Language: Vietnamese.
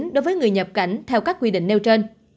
đối với người nhập cảnh theo các quy định nêu trên